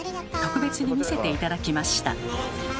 特別に見せて頂きました。